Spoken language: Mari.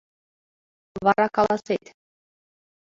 Вара каласет.